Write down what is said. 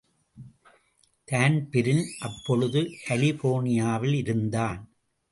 Dan Breen அப்பொழுது கலிபோர்னியாவில் இருந்தான்.